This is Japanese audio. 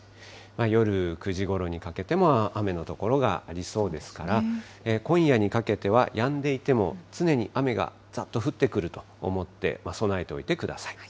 夜９時ごろにかけても、雨の所がありそうですから、今夜にかけては、やんでいても、常に雨がざっと降ってくると思って備えておいてください。